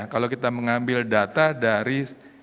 kalau kita mengambil data dari